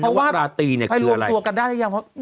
นัวละตีเนี่ยคืออะไรเขาให้รวบตัวกันได้ได้ยัง